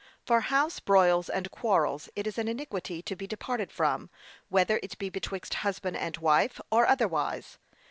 For house broils and quarrels, it is an iniquity to be departed from, whether it be betwixt husband and wife, or otherwise.